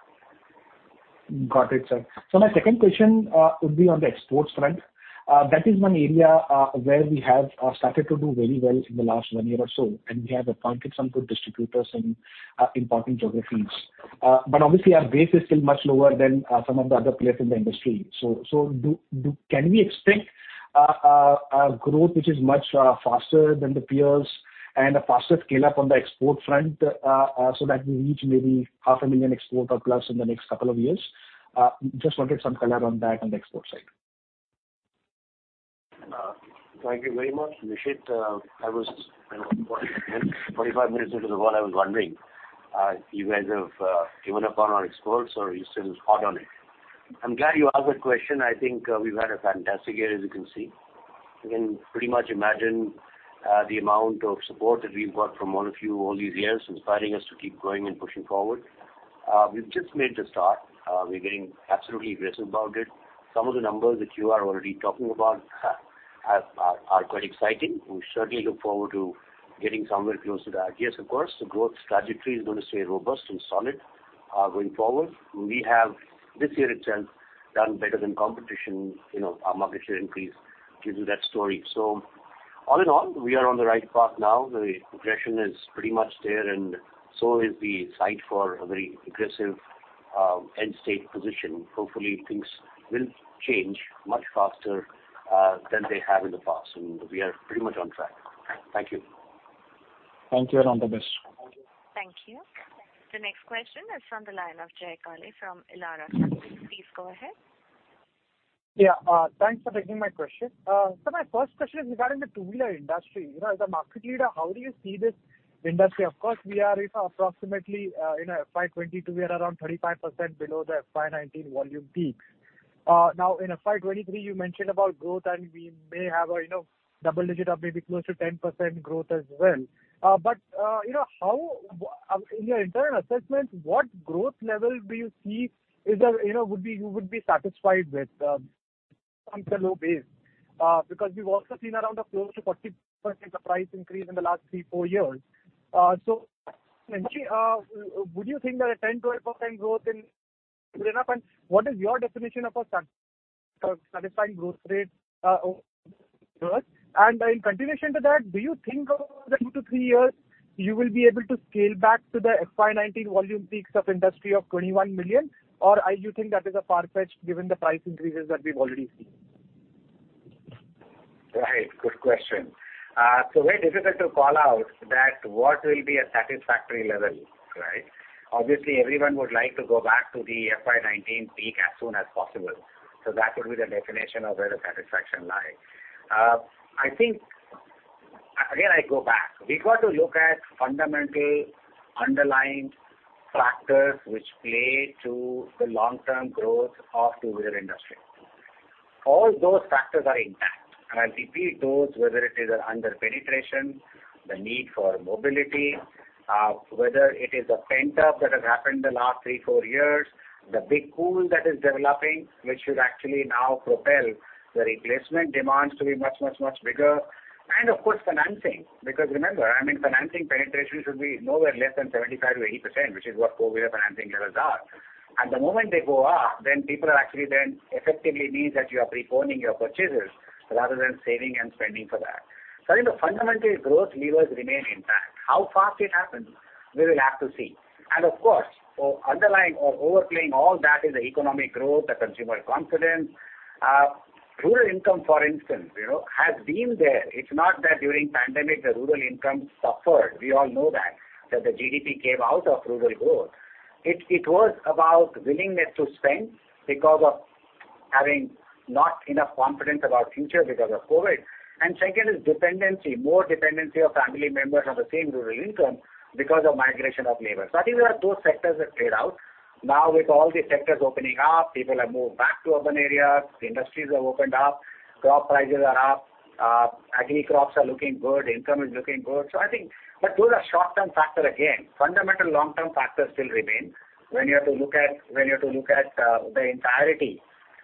S19: Got it, sir. My second question would be on the exports front. That is one area where we have started to do very well in the last one year or so. We have appointed some good distributors in important geographies. But obviously our base is still much lower than some of the other players in the industry. Can we expect a growth which is much faster than the peers and a faster scale up on the export front, so that we reach maybe half a million export or plus in the next couple of years? Just wanted some color on that on the export side.
S6: Thank you very much, Nishit. I was 45 minutes into the call. I was wondering, you guys have given up on our exports or are you still hot on it. I'm glad you asked that question. I think, we've had a fantastic year, as you can see. You can pretty much imagine, the amount of support that we've got from all of you all these years, inspiring us to keep going and pushing forward. We've just made the start. We're getting absolutely aggressive about it. Some of the numbers that you are already talking about are quite exciting. We certainly look forward to getting somewhere close to that. Yes, of course, the growth trajectory is gonna stay robust and solid, going forward. We have this year itself done better than competition. You know, our market share increase gives you that story. All in all, we are on the right path now. The progression is pretty much there, and so is the sight for a very aggressive end state position. Hopefully things will change much faster than they have in the past, and we are pretty much on track. Thank you.
S19: Thank you, and all the best.
S1: Thank you. The next question is from the line of Jay Kale from Elara. Please go ahead.
S20: Yeah, thanks for taking my question. So my first question is regarding the two-wheeler industry. You know, as a market leader, how do you see this industry? Of course, we are, you know, approximately, in FY 2022, we are around 35% below the FY 2019 volume peak. Now in FY 2023, you mentioned about growth, and we may have a, you know, double digit or maybe close to 10% growth as well. You know, in your internal assessment, what growth level do you see is a, you know, would be you would be satisfied with, from the low base? Because we've also seen around a close to 40% price increase in the last 3-4 years. Would you think that a 10%-12% growth is enough? What is your definition of a satisfying growth rate years? In continuation to that, do you think over the 2-3 years you will be able to scale back to the FY 2019 volume peaks of industry of 21 million? Or, you think that is a far-fetched given the price increases that we've already seen?
S6: Right. Good question. It's very difficult to call out what will be a satisfactory level, right? Obviously, everyone would like to go back to the FY 2019 peak as soon as possible. That would be the definition of where the satisfaction lie. I think, again, I go back. We've got to look at fundamental underlying factors which play to the long-term growth of two-wheeler industry. All those factors are intact. I'll repeat those, whether it is under-penetration, the need for mobility, whether it is the pent-up demand that has built up over the last three or four years, the big pool that is developing, which should actually now propel the replacement demands to be much, much, much bigger.
S4: Of course, financing, because remember, I mean, financing penetration should be nowhere less than 75%-80%, which is what COVID financing levels are. The moment they go up, then people are actually effectively means that you are preponing your purchases rather than saving and spending for that. I think the fundamental growth levers remain intact. How fast it happens, we will have to see. Of course, underlying or overplaying all that is the economic growth, the consumer confidence. Rural income, for instance, you know, has been there. It's not that during pandemic the rural income suffered. We all know that the GDP came out of rural growth. It was about willingness to spend because of having not enough confidence about future because of COVID. Second is dependency, more dependency of family members on the same rural income because of migration of labor. I think those sectors have played out. Now, with all the sectors opening up, people have moved back to urban areas, the industries have opened up, crop prices are up, agri crops are looking good, income is looking good. I think. But those are short-term factor again. Fundamental long-term factors still remain when you have to look at the entirety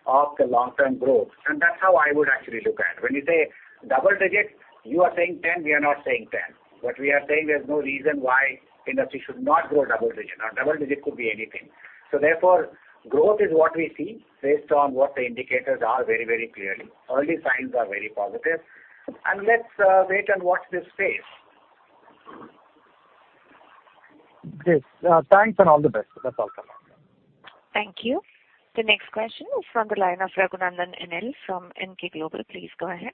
S4: of the long-term growth. That's how I would actually look at. When you say double digit, you are saying ten, we are not saying ten. What we are saying, there's no reason why industry should not grow double digit or double digit could be anything. Therefore, growth is what we see based on what the indicators are very, very clearly. Early signs are very positive. Let's wait and watch this space.
S20: Yes. Thanks and all the best. That's all from my end.
S1: Thank you. The next question is from the line of Raghunandan N.L. from Emkay Global. Please go ahead.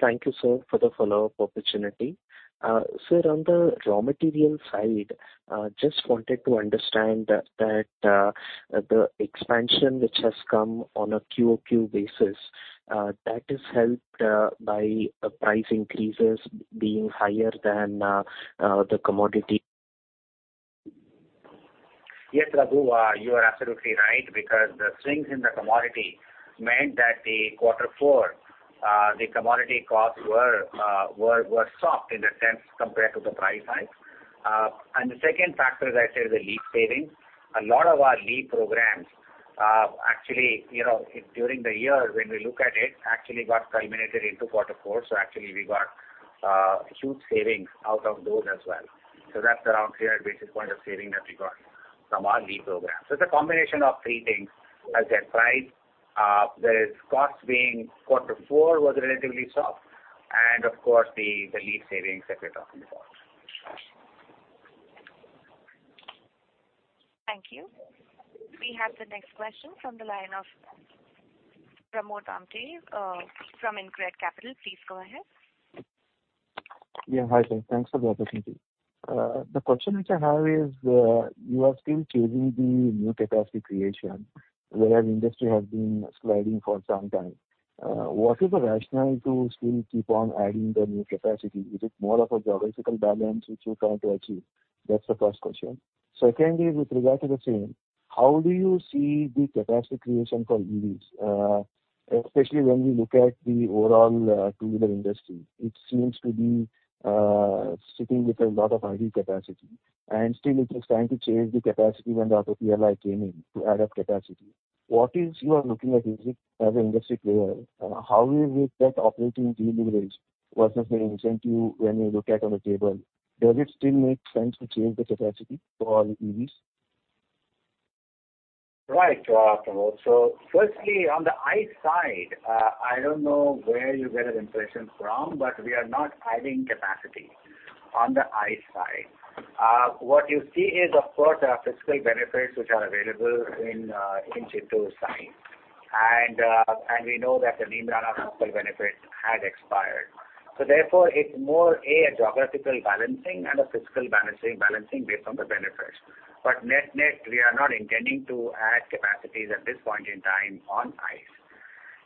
S8: Thank you, sir, for the follow-up opportunity. Sir, on the raw material side, just wanted to understand that the expansion which has come on a QoQ basis that is helped by price increases being higher than the commodity.
S4: Yes, Raghu. You are absolutely right because the swings in the commodities meant that in quarter four the commodity costs were soft in a sense compared to the price hike. The second factor, as I said, is the lean savings. A lot of our lean programs actually, you know, during the year when we look at it, actually got culminated into quarter four. Actually we got huge savings out of those as well. That's around 300 basis points of saving that we got from our lean program. It's a combination of three things. As I said, prices, the costs in quarter four were relatively soft and of course the lean savings that we're talking about.
S1: Thank you. We have the next question from the line of Pramod Amthe, from InCred Capital. Please go ahead.
S21: Yeah. Hi, sir. Thanks for the opportunity. The question which I have is, you are still chasing the new capacity creation, whereas industry has been sliding for some time. What is the rationale to still keep on adding the new capacity? Is it more of a geographical balance which you're trying to achieve? That's the first question. Secondly, with regard to the same, how do you see the capacity creation for EVs? Especially when we look at the overall, two-wheeler industry, it seems to be sitting with a lot of idle capacity, and still it is trying to change the capacity when the Auto PLI came in to add up capacity. What are you looking at as an industry player? How will you get operating de-leverage? What is the incentive when you look at on the table? Does it still make sense to change the capacity for EVs?
S4: Right. Pramod. Firstly, on the ICE side, I don't know where you get an impression from, but we are not adding capacity on the ICE side. What you see is of course, fiscal benefits which are available in Chittoor side. And we know that the Neemrana fiscal benefit has expired. Therefore it's more, a geographical balancing and a fiscal balancing based on the benefits. Net-net, we are not intending to add capacities at this point in time on ICE.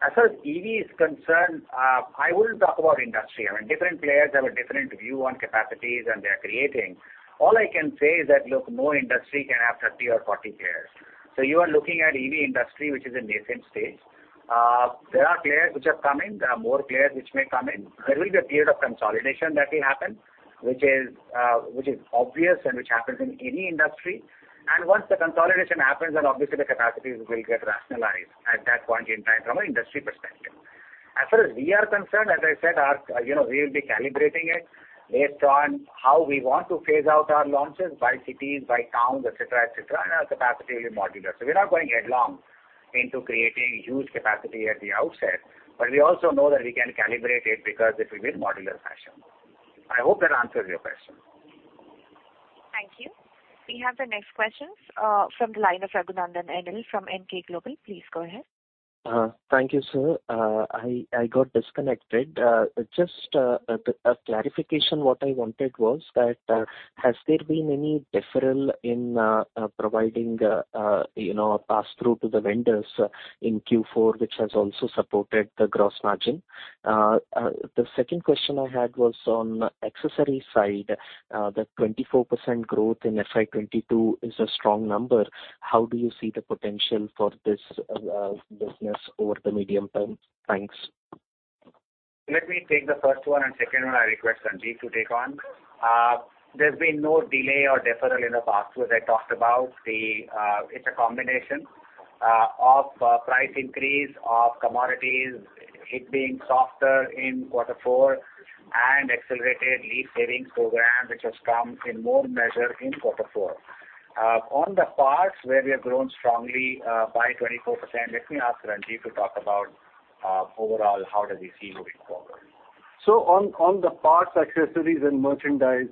S4: As far as EV is concerned, I wouldn't talk about industry. I mean, different players have a different view on capacities and they are creating. All I can say is that, look, no industry can have 30 or 40 players. You are looking at EV industry which is in nascent stage. There are players which are coming. There are more players which may come in. There will be a period of consolidation that will happen, which is obvious and which happens in any industry. Once the consolidation happens, then obviously the capacities will get rationalized at that point in time from an industry perspective. As far as we are concerned, as I said, our, you know, we will be calibrating it based on how we want to phase out our launches by cities, by towns, et cetera, et cetera, and our capacity will be modular. We're not going headlong into creating huge capacity at the outset, but we also know that we can calibrate it because it will be in modular fashion. I hope that answers your question.
S1: Thank you. We have the next question from the line of Raghunandan N.L. from Emkay Global. Please go ahead.
S8: Thank you, sir. I got disconnected. Just a clarification what I wanted was that, has there been any deferral in providing, you know, a pass-through to the vendors in Q4, which has also supported the gross margin? The second question I had was on accessory side. The 24% growth in FY 2022 is a strong number. How do you see the potential for this business over the medium term? Thanks.
S4: Let me take the first one, and second one I request Ranjivjit to take on. There's been no delay or deferral in the parts, which I talked about. It's a combination of price increase of commodities, it being softer in quarter four and accelerated lean savings program, which has come in more measured in quarter four. On the parts where we have grown strongly by 24%, let me ask Ranjivjit to talk about overall how does he see moving forward.
S6: On the parts, accessories, and merchandise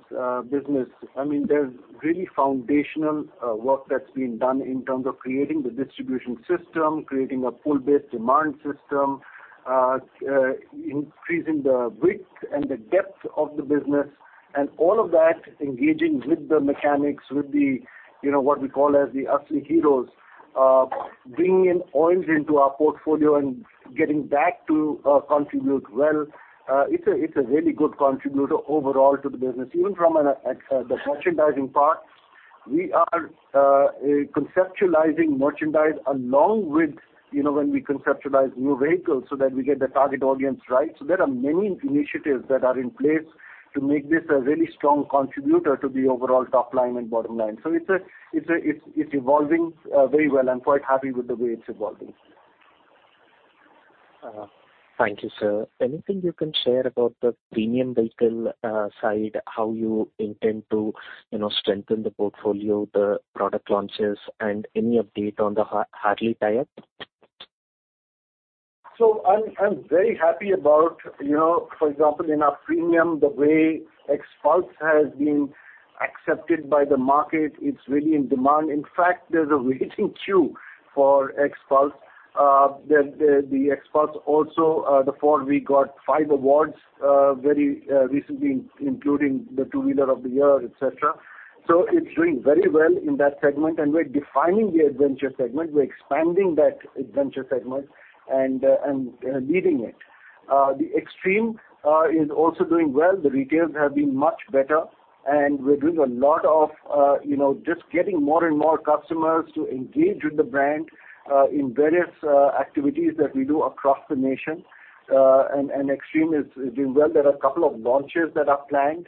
S6: business, I mean, there's really foundational work that's been done in terms of creating the distribution system, creating a full base demand system, increasing the width and the depth of the business and all of that engaging with the mechanics, with the, you know, what we call as the Asli Heroes. Bringing in oils into our portfolio and getting that to contribute well, it's a really good contributor overall to the business. Even from the merchandising part, we are conceptualizing merchandise along with, you know, when we conceptualize new vehicles so that we get the target audience right. There are many initiatives that are in place to make this a really strong contributor to the overall top line and bottom line. It's evolving very well. I'm quite happy with the way it's evolving.
S8: Thank you, sir. Anything you can share about the premium vehicle side, how you intend to, you know, strengthen the portfolio, the product launches, and any update on the Harley-Davidson tie-up?
S6: I'm very happy about, you know, for example, in our premium, the way XPulse has been accepted by the market. It's really in demand. In fact, there's a waiting queue for XPulse. The XPulse also, the 4V we got five awards very recently including the Two-Wheeler of the Year, et cetera. It's doing very well in that segment, and we're defining the adventure segment. We're expanding that adventure segment and leading it. The Xtreme is also doing well. The retails have been much better, and we're doing a lot of, you know, just getting more and more customers to engage with the brand in various activities that we do across the nation. Xtreme is doing well. There are a couple of launches that are planned,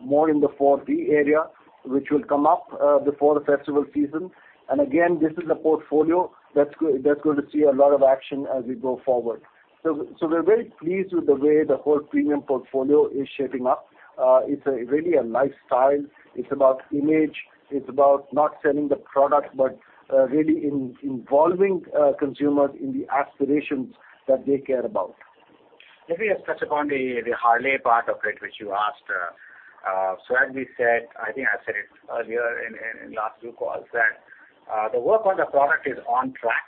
S6: more in the 4T area, which will come up before the festival season. This is a portfolio that's going to see a lot of action as we go forward. We're very pleased with the way the whole premium portfolio is shaping up. It's really a lifestyle. It's about image. It's about not selling the product, but really involving consumers in the aspirations that they care about.
S4: Maybe I'll touch upon the Harley-Davidson part of it, which you asked. So as we said, I think I said it earlier in last few calls, that the work on the product is on track,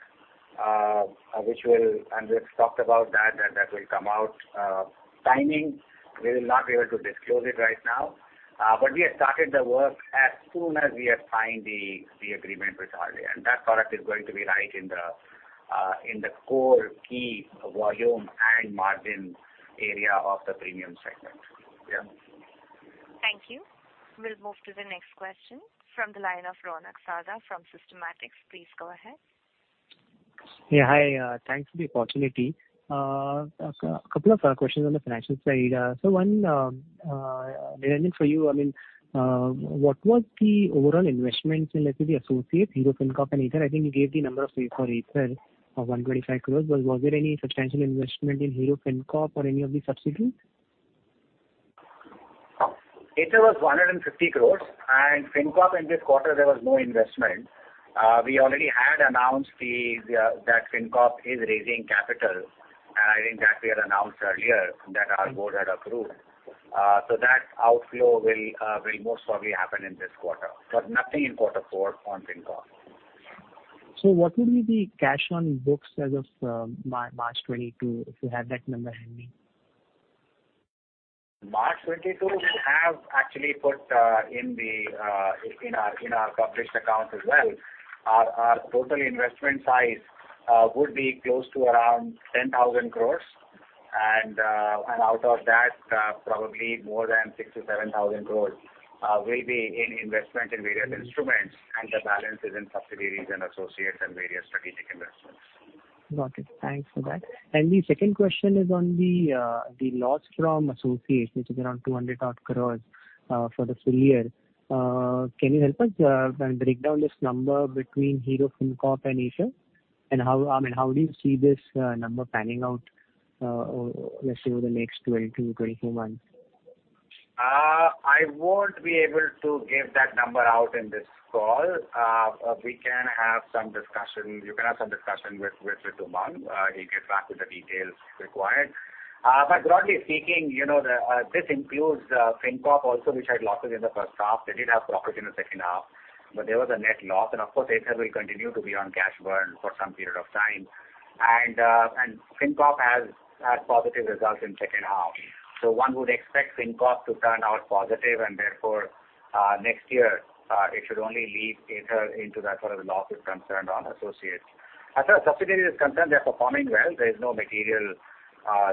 S4: which will come out. And we've talked about that will come out. Timing, we will not be able to disclose it right now, but we have started the work as soon as we have signed the agreement with Harley-Davidson, and that product is going to be right in the core key volume and margin area of the premium segment. Yeah.
S1: Thank you. We'll move to the next question from the line of Ronak Sarda from Systematix. Please go ahead.
S22: Hi, thanks for the opportunity. A couple of questions on the financial side. One, Niranjan, for you, I mean, what was the overall investment in, let's say, the associate Hero FinCorp and Ather? I think you gave the number for Ather of 125 crores. But was there any substantial investment in Hero FinCorp or any of the subsidiaries?
S4: Ather was 150 crores, and Hero FinCorp in this quarter there was no investment. We already had announced that Hero FinCorp is raising capital. I think that we had announced earlier that our Board had approved. That outflow will most probably happen in this quarter. Nothing in quarter four on Hero FinCorp.
S23: What will be the cash on books as of March 2022, if you have that number handy?
S4: March 2022 we have actually put in our published account as well. Our total investment size would be close to around 10,000 crores. Out of that, probably more than 6,000 crores-7,000 crores will be in investment in various instruments, and the balance is in subsidiaries and associates and various strategic investments.
S23: Got it. Thanks for that. The second question is on the loss from associates, which is around 200 crores, for the full year. Can you help us break down this number between Hero FinCorp and Ather? How, I mean, how do you see this number panning out, let's say over the next 12-24 months?
S4: I won't be able to give that number out in this call. You can have some discussion with Umang. He'll get back with the details required. Broadly speaking, you know, this includes Hero FinCorp also, which had losses in the first half. They did have profits in the second half, but there was a net loss. Of course, Ather Energy will continue to be on cash burn for some period of time. Hero FinCorp has had positive results in second half. One would expect Hero FinCorp to turn out positive, and therefore, next year, it should only lead Ather Energy into that sort of a loss is concerned on associates. As our subsidiary is concerned, they're performing well. There is no material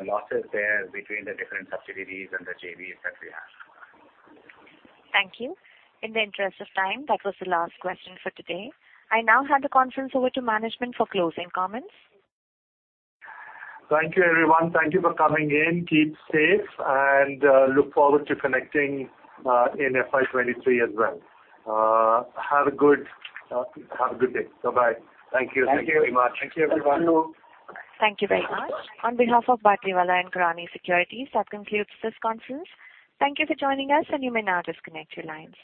S4: losses there between the different subsidiaries and the JVs that we have.
S1: Thank you. In the interest of time, that was the last question for today. I now hand the conference over to management for closing comments.
S6: Thank you, everyone. Thank you for coming in. Keep safe and look forward to connecting in FY 2023 as well. Have a good day. Bye-bye. Thank you.
S4: Thank you.
S6: Thank you very much. Thank you, everyone.
S4: Thank you.
S1: Thank you very much. On behalf of Batlivala & Karani Securities, that concludes this conference. Thank you for joining us, and you may now disconnect your lines.